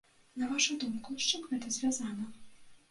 На вашую думку, з чым гэта звязана?